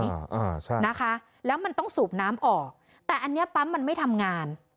อ่าใช่นะคะแล้วมันต้องสูบน้ำออกแต่อันเนี้ยปั๊มมันไม่ทำงาน